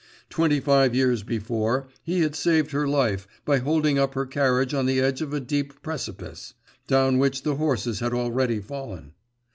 Twenty five years before, he had saved her life by holding up her carriage on the edge of a deep precipice, down which the horses had already fallen.